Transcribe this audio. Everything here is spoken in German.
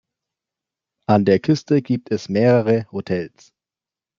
An der Küste gibt es mehrere Hotels.